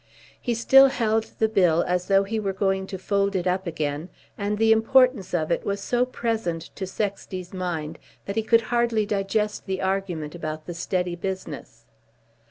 He still held the bill as though he were going to fold it up again, and the importance of it was so present to Sexty's mind that he could hardly digest the argument about the steady business.